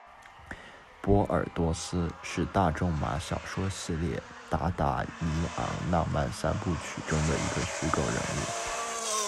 波尔多斯，是大仲马小说系列《达达尼昂浪漫三部曲》中的一个虚构人物。